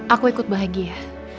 aku ikut bahagia